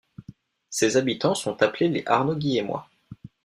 Ses habitants sont appelés les Arnaud-Guilhémois.